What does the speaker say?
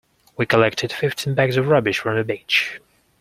We collected fifteen bags of rubbish from the beach.